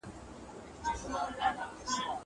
زه به سبا کتابونه وليکم..